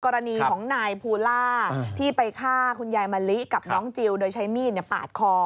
กรณีของนายภูล่าที่ไปฆ่าคุณยายมะลิกับน้องจิลโดยใช้มีดปาดคอ